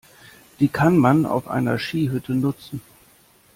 Die kann man auf einer Skihütte nutzen.